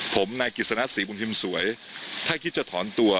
ผมนายกิจสนะศรีบุญพิมพ์สวยถ้าคิดจะถอนตัว